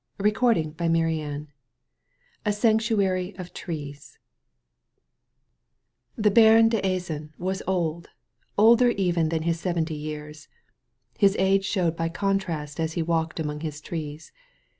86 A SANCTUARY OF TREES A SANCTUARY OP TREES XH£ Baron d'Azan was old — older even than his seventy years. His age showed by contrast as he walked among his trees.